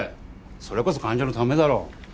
それこそ患者のためだろ。